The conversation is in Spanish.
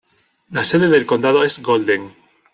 La sede del condado es Golden.